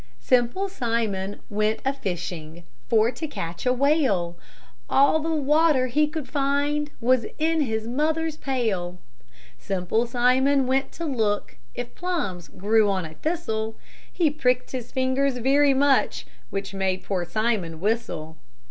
Simple Simon went a fishing For to catch a whale; All the water he could find Was in his mother's pail! Simple Simon went to look If plums grew on a thistle; He pricked his fingers very much, Which made poor Simon whistle.